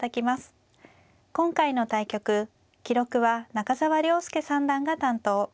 今回の対局記録は中沢良輔三段が担当。